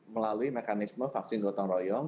melalui mekanisme vaksin gotong royong